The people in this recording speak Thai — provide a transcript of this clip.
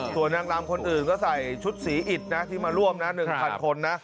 ส่วนนางรำคนอื่นก็ใส่ชุดสีอิดนะที่มาร่วมนะ๑๐๐คนนะ